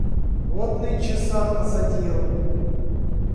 Вот нынче сад насадил.